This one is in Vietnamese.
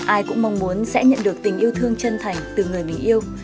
ai cũng mong muốn sẽ nhận được tình yêu thương chân thành từ người mình yêu